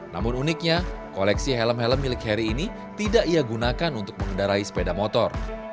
namun uniknya koleksi helm helm milik heri ini tidak ia gunakan untuk mengendarai sepeda motor